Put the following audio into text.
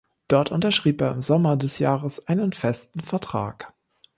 Dort unterschrieb er im Sommer des Jahres einen festen Vertrag.